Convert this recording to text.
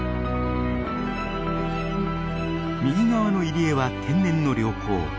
右側の入り江は天然の良港。